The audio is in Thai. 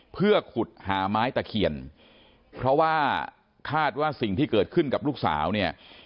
เพื่อขุดหาไม้ตะเคียนเพราะว่าคาดว่าสิ่งที่เกิดขึ้นกับลูกสาวเนี่ย